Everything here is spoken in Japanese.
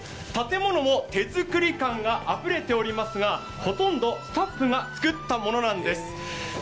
建物も手作り感があふれておりますがほとんどスタッフが作ったものなんです。